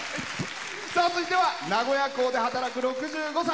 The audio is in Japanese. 続いては名古屋港で働く６５歳。